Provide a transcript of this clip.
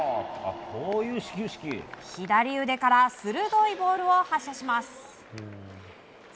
左腕から鋭いボールを発射します。